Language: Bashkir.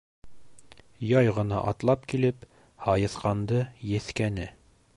Яй ғына атлап килеп һайыҫҡанды еҫкәне.